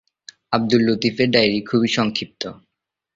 আবদুল লতীফের ডায়েরি খুবই সংক্ষিপ্ত।